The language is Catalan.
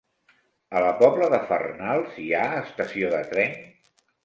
A la Pobla de Farnals hi ha estació de tren?